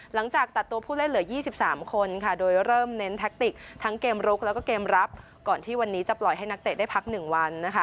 หลังจากตัดตัวผู้เล่นเหลือ๒๓คนค่ะโดยเริ่มเน้นแท็กติกทั้งเกมลุกแล้วก็เกมรับก่อนที่วันนี้จะปล่อยให้นักเตะได้พัก๑วันนะคะ